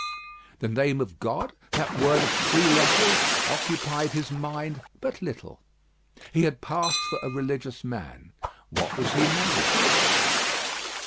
The name of God, that word of three letters, occupied his mind but little. He had passed for a religious man. What was he now?